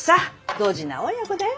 ドジな親子だよ